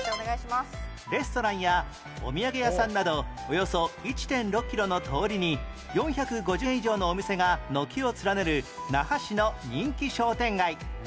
レストランやお土産屋さんなどおよそ １．６ キロの通りに４５０以上のお店が軒を連ねる那覇市の人気商店街